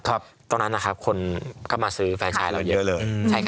ตอนนั้นนะครับคนก็มาซื้อแฟนชายเราเยอะเลย